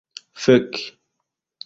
fek